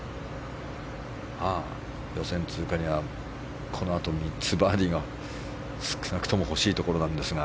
予選通過には、このあと３つバーディーが少なくとも欲しいところなんですが。